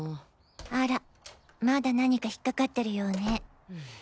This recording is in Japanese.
あらまだ何か引っかかってるようね。